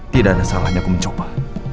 tidak ada salahnya aku mencoba